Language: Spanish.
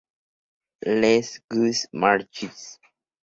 Les Loges-Marchis